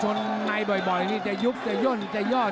ตอนนี้มันถึง๓